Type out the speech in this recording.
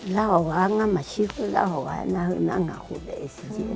ลาหวะงั้นมาชิคกี้พูดลาหวะน่าจะนั่งหาคู่ได้สิทธิ์